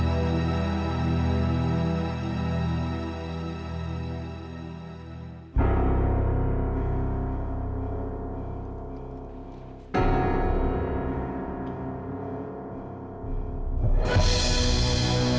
aku gak tahu